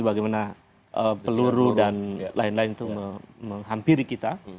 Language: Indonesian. bagaimana peluru dan lain lain itu menghampiri kita